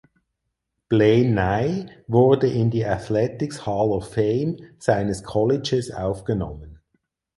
Blaine Nye wurde in die Athletics Hall of Fame seines Colleges aufgenommen.